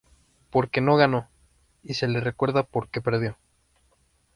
Porque no ganó, y se le recuerda por que perdió.